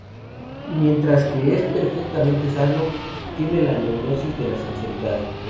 Mientras que es perfectamente sano, tiene la "neurosis" de la sinceridad...